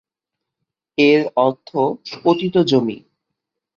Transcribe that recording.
এর অর্থ পতিত জমি।